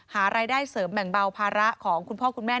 หารายได้เสริมแบ่งเบาภาระของคุณพ่อคุณแม่